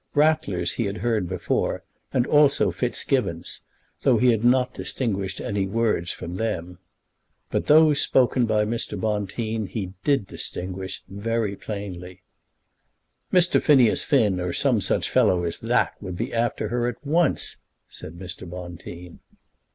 Ratler's he had heard before, and also Fitzgibbon's, though he had not distinguished any words from them. But those spoken by Mr. Bonteen he did distinguish very plainly. "Mr. Phineas Finn, or some such fellow as that, would be after her at once," said Mr. Bonteen.